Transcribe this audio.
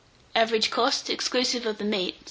Average cost, exclusive of the meat, 6d.